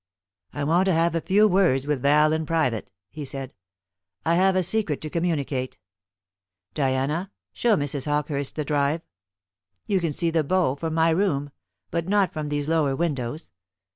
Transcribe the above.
"I want to have a few words with Val in private," he said; "I have a secret to communicate. Diana, show Mrs. Hawkehurst the Drive. You can see the Bow from my room, but not from these lower windows.